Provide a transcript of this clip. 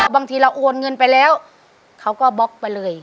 บางทีเราโอนเงินไปแล้วเขาก็บล็อกไปเลย